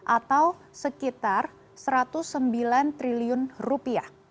atau sekitar satu ratus sembilan triliun rupiah